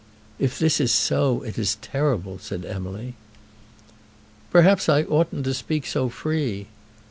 "If this is so, it is terrible," said Emily. "Perhaps I oughtn't to speak so free."